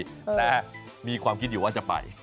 แต่มีความคิดอยู่ว่าจะไป